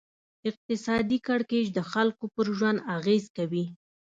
اقتصادي کړکېچ د خلکو پر ژوند اغېز کوي.